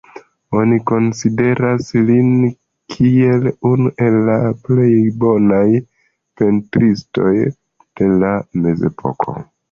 Oni konsideras lin kiel unu el la plej bonaj pentristoj de la mezepoko.